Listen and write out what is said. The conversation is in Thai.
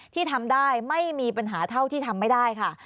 ที่ทำได้ไม่มีปัญหาเท่าที่ทำไม่ได้ค่ะ